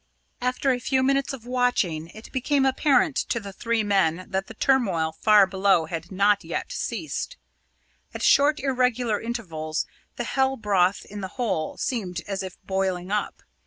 After a few minutes of watching, it became apparent to the three men that the turmoil far below had not yet ceased. At short irregular intervals the hell broth in the hole seemed as if boiling up.